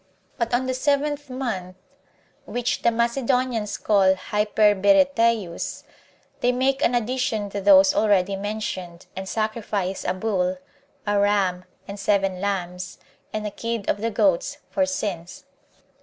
2. But on the seventh month, which the Macedonians call Hyperberetaeus, they make an addition to those already mentioned, and sacrifice a bull, a ram, and seven lambs, and a kid of the goats, for sins.